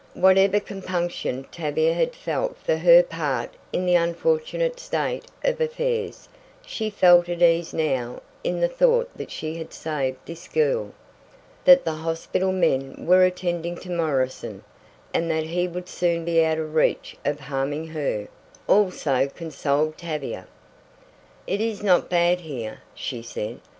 Whatever compunction Tavia had felt for her part in the unfortunate state of affairs, she felt at ease now in the thought that she had saved this girl. That the hospital men were attending to Morrison, and that he would soon be out of reach of harming her, also consoled Tavia. "It is not bad here," she said.